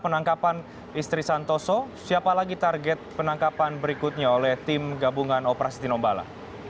penangkapan istri santoso siapa lagi target penangkapan berikutnya oleh tim gabungan operasi tinombala